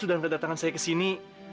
sudah kedatangan saya ke sini